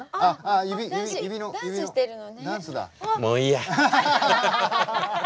もういいや。